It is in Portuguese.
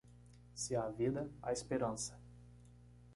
Se há vida, há esperança.